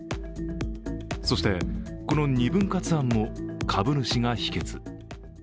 そしてこの２分割案も株主が否決。